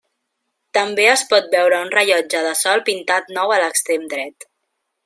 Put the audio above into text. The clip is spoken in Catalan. També es pot veure un rellotge de sol pintat nou a l'extrem dret.